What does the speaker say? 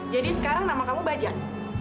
jadi sekarang nama kamu bajak